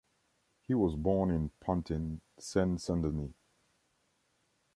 He was born in Pantin, Seine-Saint-Denis.